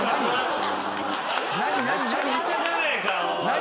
何？